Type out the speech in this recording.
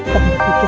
tapi berpikir bahwa